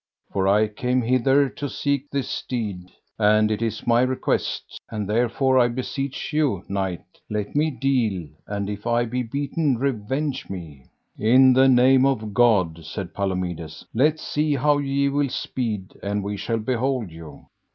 For I came hither to seek this deed, and it is my request; and therefore I beseech you, knight, let me deal, and if I be beaten revenge me. In the name of God, said Palomides, let see how ye will speed, and we shall behold you.